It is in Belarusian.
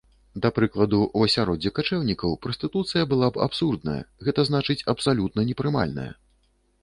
Да прыкладу, у асяроддзі качэўнікаў, прастытуцыя была б абсурдная, гэта значыць абсалютна непрымальная.